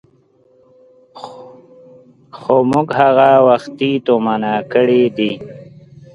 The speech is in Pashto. خو موږ هغه وختي تومنه کړي دي.